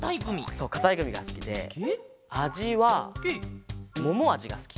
そうかたいグミがすきであじはももあじがすきかな。